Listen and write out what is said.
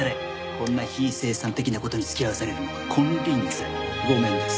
こんな非生産的な事に付き合わされるのは金輪際御免です。